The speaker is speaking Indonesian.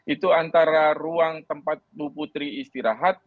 itu antara ruang tempat bu putri istirahat